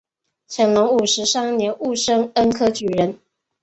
乾隆五十三年戊申恩科举人。